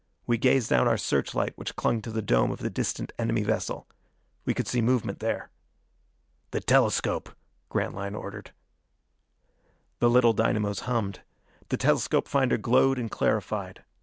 We gazed down our search light which clung to the dome of the distant enemy vessel. We could see movement there. "The telescope," Grantline ordered. The little dynamos hummed. The telescope finder glowed and clarified.